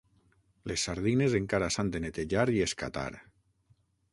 Les sardines, encara s'han de netejar i escatar.